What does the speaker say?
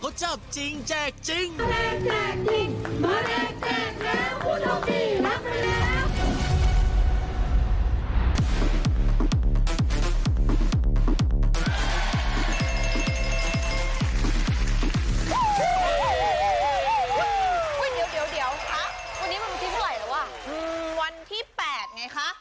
อุ้ยเดี๋ยววันนี้มันวันที่เมื่อไหร่แล้ววันที่๘ไงคะ